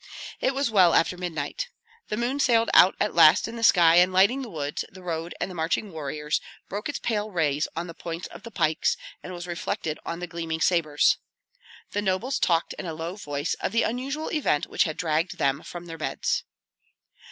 It was well after midnight. The moon sailed out at last in the sky, and lighting the woods, the road, and the marching warriors, broke its pale rays on the points of the pikes, and was reflected on the gleaming sabres. The nobles talked in a low voice of the unusual event which had dragged them from their beds.